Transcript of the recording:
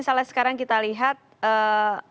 kalau misalnya sekarang kita lihat kalau kita lihat